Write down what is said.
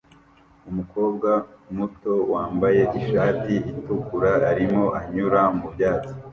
Umukobwa muto wambaye ishati itukura arimo anyura mu byatsi